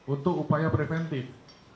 untuk upaya preventif